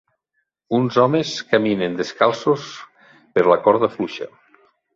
Uns homes caminen descalços per la corda fluixa.